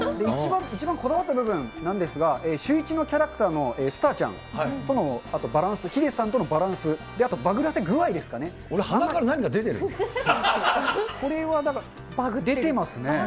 一番こだわった部分なんですが、シューイチのキャラクターのスターちゃんとのバランス、ヒデさんとのバランス、あとバグらせ具合俺、これはだから、出てますね。